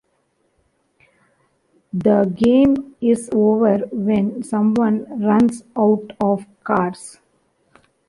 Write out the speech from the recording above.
The game is over when someone runs out of cards.